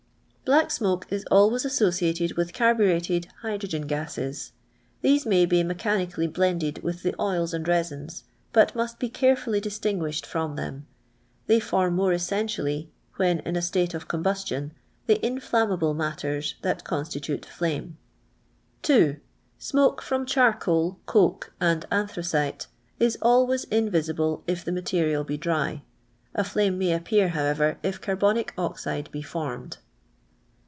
Black smoke is always ass>»ci.ited with ca^ burctted iiydrogen giues. These may be mechani cally blended with the oils and retdns, but must bj carefnily distini;ui>hed from them. They form more essentially, when in a sttte of c:>m bustion, til J inri.iuini.ible matters that constitute tlane. 2. ^'^.ii ikf: jr>nii (. 'ii a:r f.l, f' > 1 : ,au'l A ntJtinicit:, U alvv.iys invisible if ttie miteriai be dry. A il imc m.iy ai'ue.ir, however, if carbonic oxide be formed.